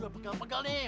udah pegal pegal nih